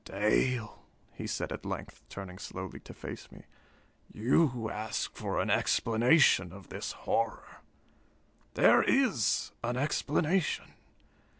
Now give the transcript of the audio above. "Dale," he said at length, turning slowly to face me, "you ask for an explanation of this horror? There is an explanation.